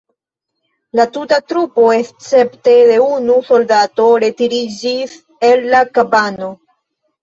La tuta trupo escepte de unu soldato retiriĝis el la kabano.